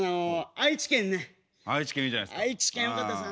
愛知県よかったですね。